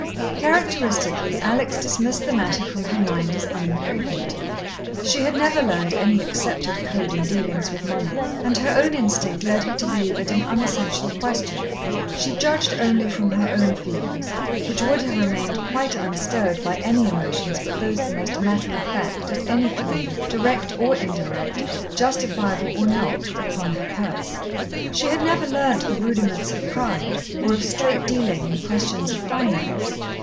Characteristically, Alex dismissed the matter from her mind as unimportant. She had never learnt any accepted code in dealings with money, and her own instinct led her to believe it an unessential question. She judged only from her own feelings, which would have remained quite unstirred by any emotions but those the most matter of fact at any claim, direct or indirect, justifiable or not, upon her purse. She had never learnt the rudiments of pride, or of straight dealing in questions of finance.